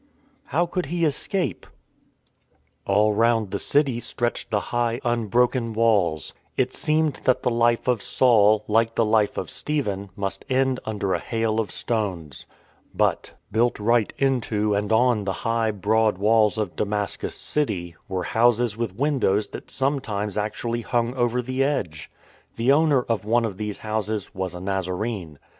How could he escape ? All round the city stretched 91 92 IN TRAINING the high unbroken walls. It seemed that the life of Saul, like the life of Stephen, must end under a hail of stones. But, built right into and on the high, broad walls of Damascus city, were houses with windows that sometimes actually hung over the edge. The owner of one of these houses was a Nazarene.